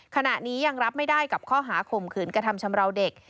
ขณะนี้ยังรับไม่ได้กับข้อหาข่มขืนกระทำชำราวเด็ก